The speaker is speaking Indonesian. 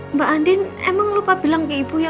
mbak andin emang lupa bilang ke ibu ya